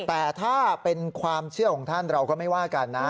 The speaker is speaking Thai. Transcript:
แต่ถ้าเป็นความเชื่อของท่านเราก็ไม่ว่ากันนะ